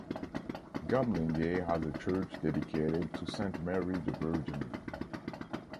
Gamlingay has a church dedicated to Saint Mary the Virgin.